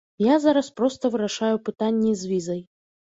Я зараз проста вырашаю пытанні з візай.